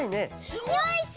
よいしょ！